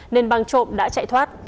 nên băng trộm đã chạy thoát